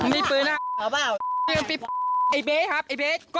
เนี่ยมึงมีปืนนะครับเนี่ยครับมึงมีปืนนะครับ